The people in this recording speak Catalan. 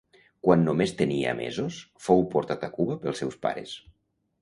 Quan només tenia mesos fou portat a Cuba pels seus pares.